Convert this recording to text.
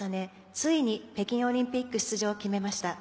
ついに北京オリンピック出場を決めました。